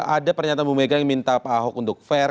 ada pernyataan bu mega yang minta pak ahok untuk fair